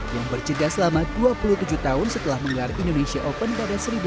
yang berjaga selama dua puluh tujuh tahun setelah menggar indonesia open pada seribu sembilan ratus sembilan puluh enam